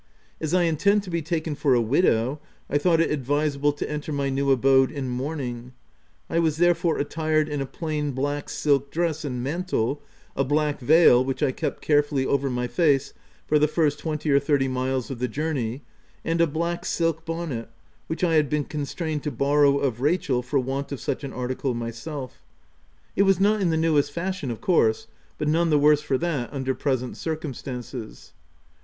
As I intend to be taken for a widow I thought it advisable to enter my new abode in mourning : I was therefore attired in a plain black silk dress and mantle, a black veil (which I kept carefully over my face for the first twenty or thirty miles of the journey), and a black silk bonnet, which I had been constrained to borrow of Rachel for want of such an article my self— it was not in OF WILDFELL HALL. 11? the newest fashion, of course ; but none the worse for that, under present circumstances.